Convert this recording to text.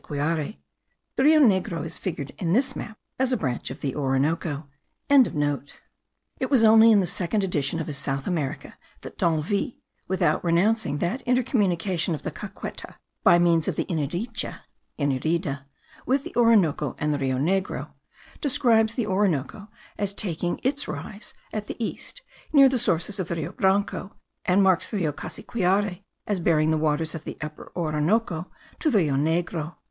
The Rio Negro is figured in this map as a branch of the Orinoco.) It was only in the second edition of his South America, that D'Anville (without renouncing that intercommunication of the Caqueta, by means of the Iniricha (Inirida), with the Orinoco and the Rio Negro) describes the Orinoco as taking its rise at the east, near the sources of the Rio Branco, and marks the Rio Cassiquiare as bearing the waters of the Upper Orinoco to the Rio Negro.